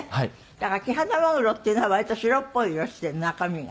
だからキハダマグロっていうのは割と白っぽい色をしてるの？中身が。